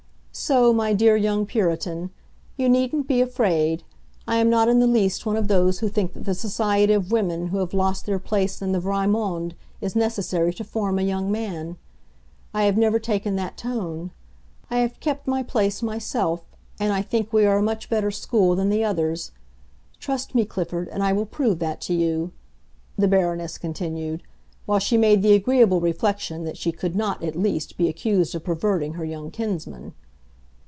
So, my dear young Puritan, you needn't be afraid. I am not in the least one of those who think that the society of women who have lost their place in the vrai monde is necessary to form a young man. I have never taken that tone. I have kept my place myself, and I think we are a much better school than the others. Trust me, Clifford, and I will prove that to you," the Baroness continued, while she made the agreeable reflection that she could not, at least, be accused of perverting her young kinsman.